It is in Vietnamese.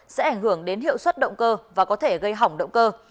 sẽ ảnh hưởng đến hiệu suất động cơ và có thể gây hỏng động cơ